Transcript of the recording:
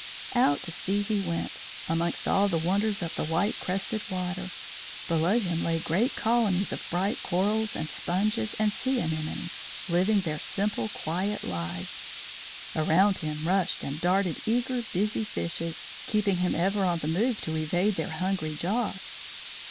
Out to sea he went, amongst all the wonders of the white crested water. Below him lay great colonies of bright corals and sponges and sea anemones, living their simple quiet lives. Around him rushed and darted eager, busy fishes, keeping him ever on the move to evade their hungry jaws.